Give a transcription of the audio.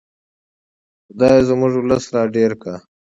خدایه زموږ ولس را ډېر کړه.